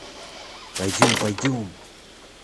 Пойдем, пойдем!